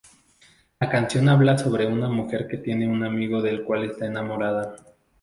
La canción habla sobre una mujer que tiene un amigo del cual está enamorada.